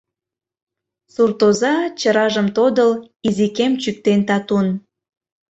Суртоза, чыражым тодыл, Изикэм чӱктен татун.